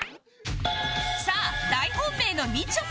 さあ大本命のみちょぱ